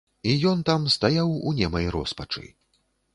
І ён там стаяў у немай роспачы.